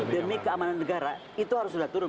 demi keamanan negara itu harus sudah turun